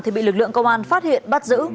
thì bị lực lượng công an phát hiện bắt giữ